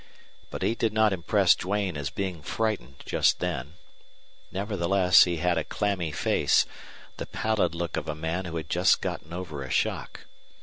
But he did not impress Duane as being frightened just then; nevertheless, he had a clammy face, the pallid look of a man who had just gotten over a shock.